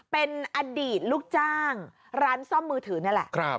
เป็นอดีตลูกจ้างร้านซ่อมมือถือนี่แหละ